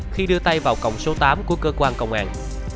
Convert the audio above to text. khi đưa tay vào còng số tám của cơ quan công an